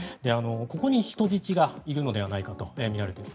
ここに人質がいるのではないかとみられている。